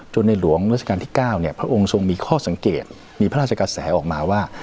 ในหลวงราชการที่๙เนี่ยพระองค์ทรงมีข้อสังเกตมีพระราชกระแสออกมาว่า